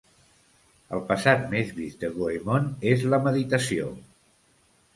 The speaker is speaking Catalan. El passat més vist de Goemon és la meditació.